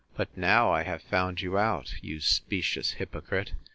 But now I have found you out, you specious hypocrite!